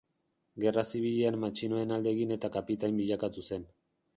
Gerra Zibilean matxinoen alde egin eta kapitain bilakatu zen.